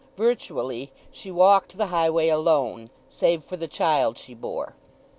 Virtually she walked the highway alone, save for the child she bore.